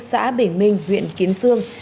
xã bình minh huyện kiến sương